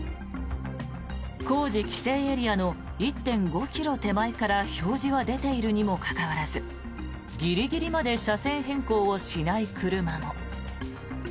工事規制エリアの１．５ｋｍ手前から表示は出ているにもかかわらずギリギリまで車線変更をしない車も。